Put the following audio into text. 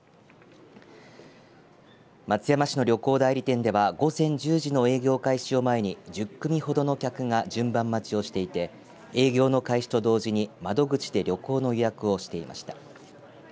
松山市の旅行代理店では午前１０時の営業開始を前に１０組ほどの客が順番待ちをしていて営業の開始と同時に窓口で旅行の予約をしていました。